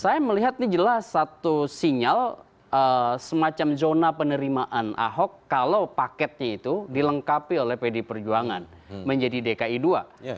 saya melihat ini jelas satu sinyal semacam zona penerimaan ahok kalau paketnya itu dilengkapi oleh pd perjuangan menjadi dki dua